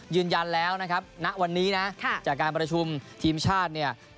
ยื้นยันแล้วณวันนี้จากการประชุมทีมชาติ